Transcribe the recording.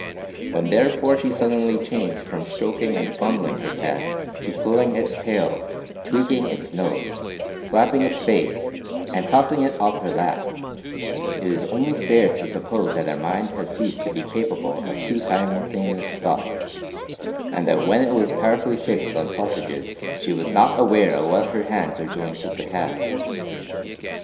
When therefore she suddenly changed from stroking and fondling her cat to pulling its tail, tweaking its nose, slapping its face, and tossing it off her lap, it is only fair to suppose that her mind had ceased to be capable of two simultaneous thoughts, and that when it was powerfully fixed on sausages she was not aware of what her hands were doing to the cat.